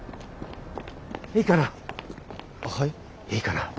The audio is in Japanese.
いいかな？